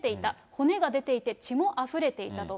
骨が出ていて、血もあふれていたと。